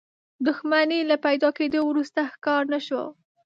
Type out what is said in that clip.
دښمنۍ له پيدا کېدو وروسته ښکار نه شو.